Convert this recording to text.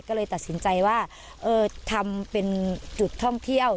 ก็เลยตัดสินใจว่าทำเป็นจุดท่องเที่ยว